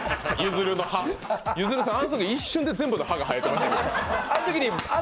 ゆずるさん、あのとき一瞬に全部の歯、生えてません？